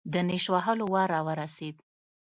د نېش وهلو وار راورسېد.